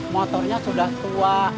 motornya sudah tua